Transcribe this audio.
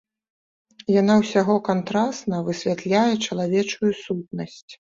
Яна ўсяго кантрасна высвятляе чалавечую сутнасць.